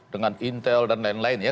dengan intel dan lain lain ya